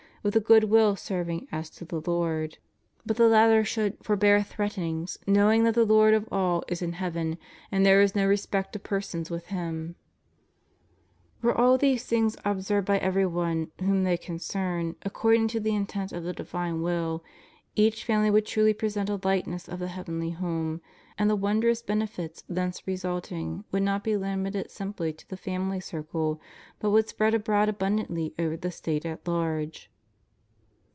vnth a good will serving as to the Lord, ...* but the latter should » Heb. xiii. 4. » Eph. v. 23. » Ibid. vi. 1, 2. * Ibid. vi. 4. » Ibid. vi. 5 7. 30 SOCIALISM, COMMUNISM, NIHILISM. forbear threatenings, knouming that the Lord of oil is in heaven, and there is no respect of persons with Him} Were all these things observed by every one whom they con cern, according to the intent of the divine Will, each family would truly present a likeness of the heavenly home, and the wondrous benefits thence resulting would not be limited simply to the family circle, but would spread abroad abundantly over the State at large.